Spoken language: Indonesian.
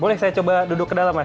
boleh saya coba duduk ke dalam mas